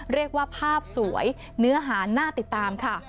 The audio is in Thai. เรียกว่าภาพสวยเนื้อหาน่าติดตามค่ะ